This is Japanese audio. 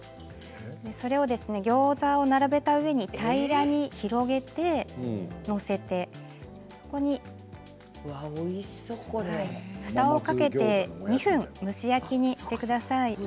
ギョーザを並べた上に平らに広げて載せてふたをかけて２分蒸し焼きにします。